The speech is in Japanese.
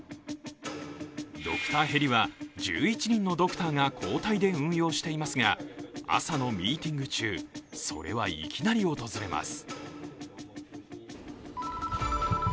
ドクターヘリは１１人のドクターが交代で運用していますが、朝のミーティング中、それはいきなり訪れます。